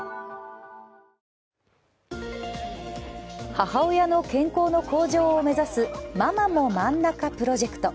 母親の健康の向上を目指すママもまんなかプロジェクト。